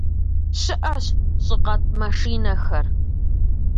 Щыӏэщ щӏыкъэтӏ машинэхэр.